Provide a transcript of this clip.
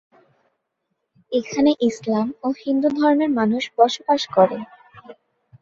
এখানে ইসলাম ও হিন্দু ধর্মের মানুষ বসবাস করে।